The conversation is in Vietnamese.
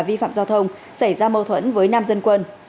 vi phạm giao thông xảy ra mâu thuẫn với nam dân quân